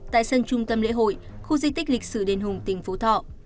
tại sân trung tâm lễ hội khu di tích lịch sử đền hùng tỉnh phú thọ